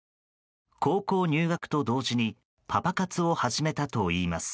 高校入学と同時にパパ活を始めたといいます。